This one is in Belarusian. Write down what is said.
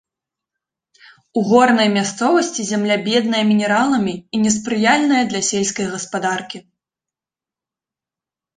У горнай мясцовасці зямля бедная мінераламі і не спрыяльная для сельскай гаспадаркі.